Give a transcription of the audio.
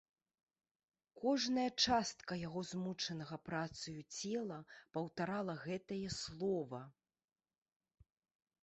Кожная частка яго змучанага працаю цела паўтарала гэтае слова.